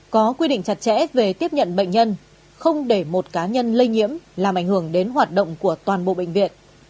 có quy định chặt chẽ về tiếp nhận bệnh nhân không để một cá nhân lây nhiễm làm ảnh hưởng đến hoạt động của toàn bộ bệnh viện